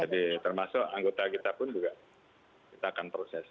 jadi termasuk anggota kita pun juga kita akan proses